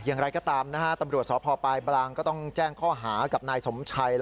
อย่างไรก็ตามนะฮะตำรวจสพปลายบางก็ต้องแจ้งข้อหากับนายสมชัย